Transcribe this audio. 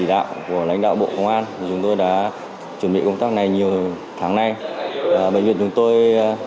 đội cấp cứu gồm một mươi y bác sĩ